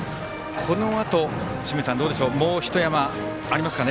このあと、清水さんもうひと山、ありますかね。